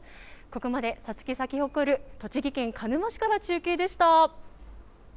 ここまで、さつき咲き誇る、栃木県鹿沼市から中継でした。